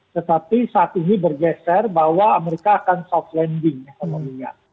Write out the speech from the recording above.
tetapi saat ini bergeser bahwa amerika akan soft landing ekonominya